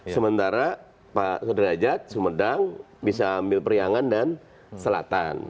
sementara pak sudrajat sumedang bisa ambil periangan dan selatan